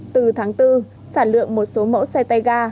từ tháng bốn sản lượng một số mẫu xe tay ga